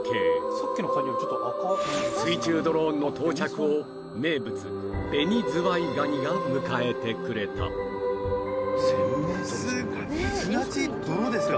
さっきのカニよりちょっと赤い水中ドローンの到着を名物ベニズワイガニが迎えてくれた砂地泥ですか？